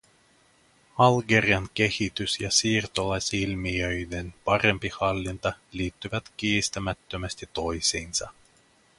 Algerian kehitys ja siirtolaisilmiöiden parempi hallinta liittyvät kiistämättömästi toisiinsa.